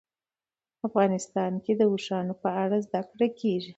افغانستان کې د اوښانو په اړه زده کړه کېږي.